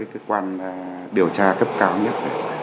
cơ quan điều tra cấp cao nhất